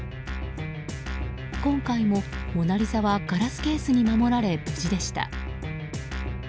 今回も「モナリザ」はガラスケースに守られ無事でした。